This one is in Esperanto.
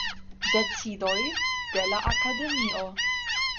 Decidoj de la Akademio.